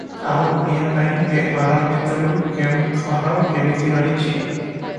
ଆଉ ଓଡ଼ିଆ ପାଇଁ ଏ ଅର ଭିତରୁ କେଉଁ ଅର କେମିତି ରହିଛି ।